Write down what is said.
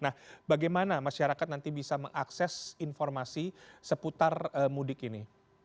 nah bagaimana masyarakat nanti bisa mengakses informasi seputar mudik ini